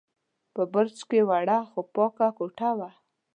په برج کې وړه، خو پاکه کوټه وه.